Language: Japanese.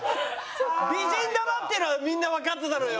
美人だなっていうのはみんなわかってたのよ。